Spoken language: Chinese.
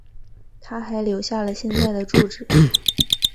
她还留下了现在的住址。